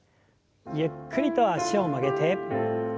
ゆっくりと脚を曲げて。